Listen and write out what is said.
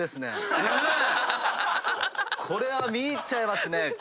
これは見入っちゃいますね。